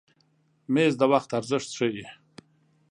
مېز د وخت ارزښت ښیي.